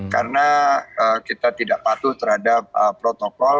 karena kita tidak patuh terhadap protokol